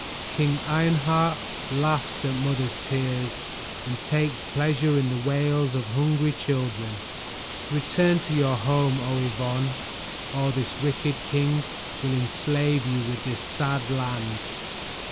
"King Ironheart laughs at mothers' tears and takes pleasure in the wails of hungry children; return to your home, Oh Yvonne, or this wicked king will enslave you with this sad land."